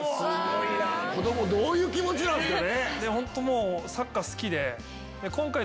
子供どういう気持ちなんすかね？